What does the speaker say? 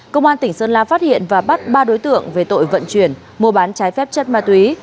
công an tỉnh sơn la phát hiện và bắt ba đối tượng về tội vận chuyển mua bán trái phép chất ma túy